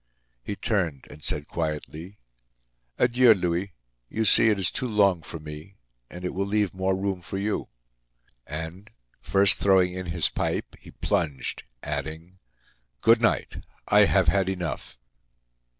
He turned and said quietly: "Adieu, Louis! You see, it is too long for me. And it will leave more room for you." And, first throwing in his pipe, he plunged, adding: "Good night! I have had enough!"